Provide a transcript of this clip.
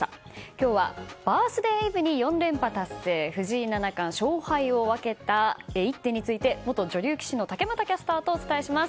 今日はバースデーイブに４連覇達成藤井七冠勝敗を分けた一手について元女流棋士の竹俣キャスターとお伝えします。